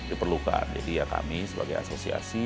diperlukan jadi ya kami sebagai asosiasi